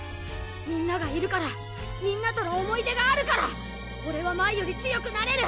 みんながいるからみんなとの思い出があるから俺は前より強くなれる！